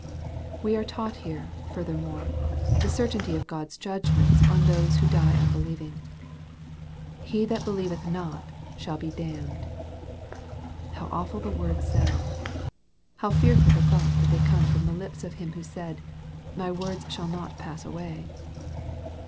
We are taught here, furthermore, the certainty of God's judgments on those who die unbelieving. " He that believeth not shall be damned." How awful the words sound 1 How fearful the thought that they came from the lips of Him who said, " My words shall not pass away."